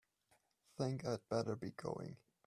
Think I'd better be going.